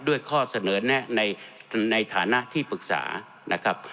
ข้อเสนอแนะในฐานะที่ปรึกษานะครับ